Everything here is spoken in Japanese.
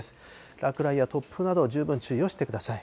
落雷や突風など、十分注意をしてください。